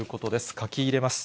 書き入れます。